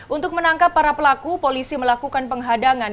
untuk menangkap para pelaku polisi melakukan penghadangan